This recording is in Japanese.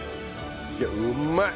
いやうまい！